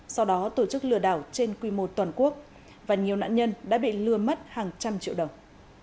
sau đó tổ chức lừa đảo trên quy mô toàn quốc và nhiều nạn nhân đã bị lừa mất hàng trăm triệu đồng